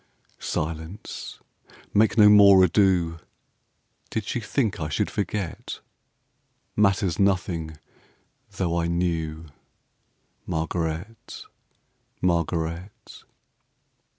Silence! make no more ado! Did she think I should forget? Matters nothing, though I knew, Margaret, Margaret.